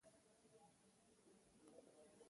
نان بایی مو له کوره څومره لری ده؟